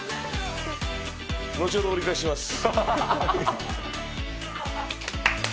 後ほど折り返します。